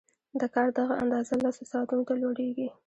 د کار دغه اندازه لسو ساعتونو ته لوړېږي